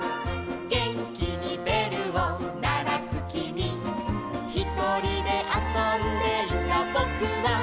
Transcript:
「げんきにべるをならすきみ」「ひとりであそんでいたぼくは」